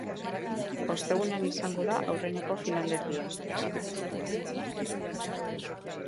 Ostegunean izango da aurreneko finalerdia.